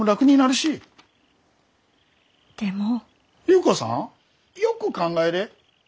優子さんよく考えれ。